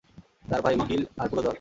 তার ভাই, উকিল আর পুরো দল।